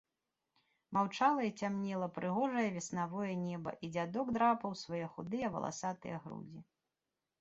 Маўчала і цямнела прыгожае веснавое неба, і дзядок драпаў свае худыя валасатыя грудзі.